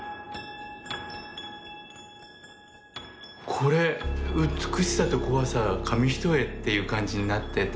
これ美しさと怖さが紙一重っていう感じになってて。